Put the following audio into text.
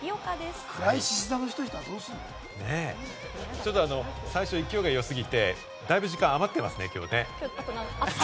ちょっと最初、勢いが良すぎてだいぶ時間余ってますね。